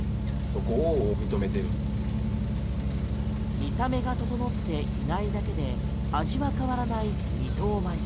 見た目が整っていないだけで味は変わらない二等米。